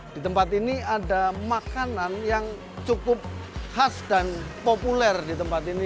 di tempat ini ada makanan yang cukup khas dan populer di tempat ini